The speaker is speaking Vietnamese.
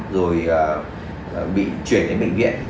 rồi bị chuyển đến bệnh viện